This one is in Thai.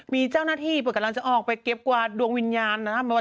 มีเจ้าหน้าที่เปิดกำลังจะออกไปเก็บกวาดดวงวิญญาณนะครับ